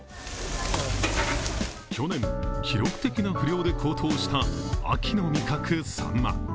去年、記録的な不漁で高騰した秋の味覚、さんま。